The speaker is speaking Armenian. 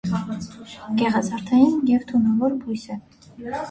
Գեղազարդային և թունավոր բույս է։